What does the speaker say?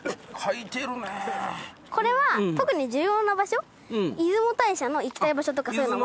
これは特に重要な場所出雲大社の行きたい場所とかそういうのをまとめて。